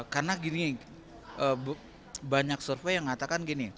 karena gini banyak survei yang mengatakan